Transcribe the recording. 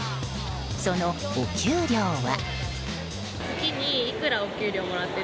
そのお給料は。